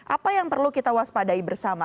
apa yang perlu kita waspadai bersama